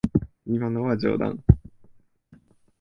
今のは冗談。